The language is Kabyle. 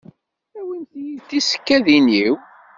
Awimt-yi-d tisekkadin-iw.